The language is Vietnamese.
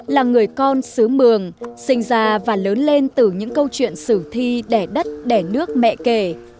là người con xứ mường sinh ra và lớn lên từ những câu chuyện sử thi đẻ đất đẻ nước mẹ kể